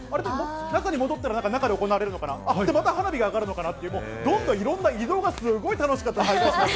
でも中に戻ったら、中で行われるのかな、あっ、また花火が上がるのかなって、もうどんどんいろんな移動がすごい楽しかったです。